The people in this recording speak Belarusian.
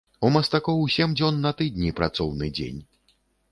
У мастакоў сем дзён на тыдні працоўны дзень.